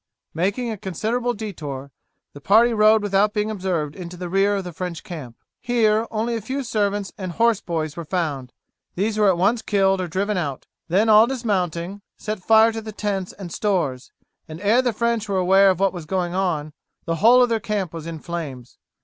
Making a considerable detour, the party rode without being observed into the rear of the French camp. Here only a few servants and horse boys were found, these were at once killed or driven out; then all dismounting, set fire to the tents and stores; and ere the French were aware of what was going on, the whole of their camp was in flames.